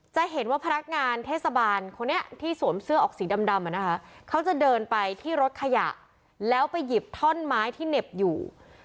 จะเห็นว่าพนักงานเทศบาลคนนี้ที่สวมเสื้อออกสีดำนะคะเขาจะเดินไปที่รถขยะแล้วไปหยิบท่อนไม้ที่เหน็บอยู่